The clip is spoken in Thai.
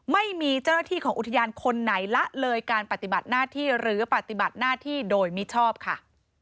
ไม่มีเจ้าหน้าที่ของอุทยานคนไหนละเลยการปฏิบัติหน้าที่หรือปฏิบัติหน้าที่โดยมิชอบค่ะ